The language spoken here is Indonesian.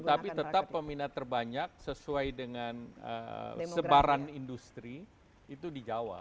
tetapi tetap peminat terbanyak sesuai dengan sebaran industri itu di jawa